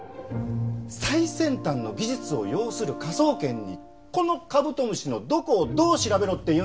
最先端の技術を擁する科捜研にこのカブトムシのどこをどう調べろって言うんですか？